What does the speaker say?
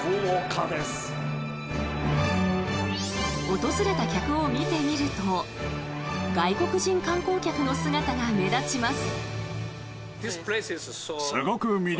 訪れた客を見てみると外国人観光客の姿が目立ちます。